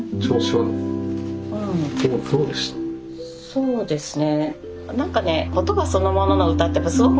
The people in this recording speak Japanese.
そうですね。